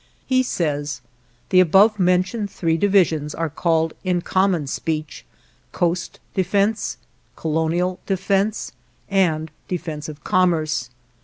He says, "The above mentioned three divisions are called in common speech, coast defense, colonial defense, and defense of commerce."